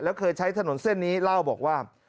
แล้วเคยใช้ถนนเส้นนี้เล่าบอกว่า